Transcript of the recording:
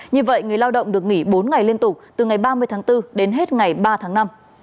như vậy người lao động được nghỉ bốn ngày liên tục từ ngày ba mươi tháng bốn đến hết ngày ba tháng năm